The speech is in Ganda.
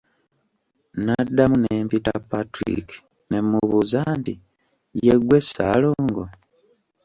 Nnaddamu ne mpita Patrick ne mmubuuza nti, "ye ggwe Ssaalongo?"